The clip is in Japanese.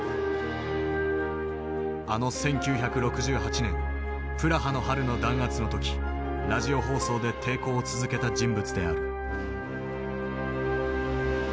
あの１９６８年プラハの春の弾圧の時ラジオ放送で抵抗を続けた人物である。